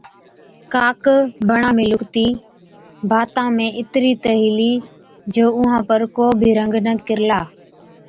ڪاڪ بڻا ۾ لُڪتِي، باتان ۾ اِتري تہ هِلي جو اُونهان پر ڪو بِي رنگ نہ ڪِرلا